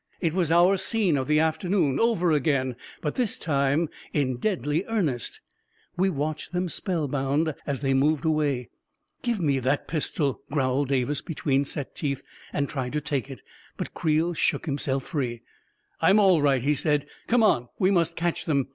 It was our scene of the afternoon over again — but this time in deadly earnest 1 We watched them, spell bound, as they moved away ... "Give me that pistol! " growled Davis between set teeth, and tried to take it, but Creel shook him self free. " I'm all right," he said. " Come on — we must catch them!